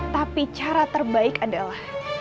tapi cara terbaik adalah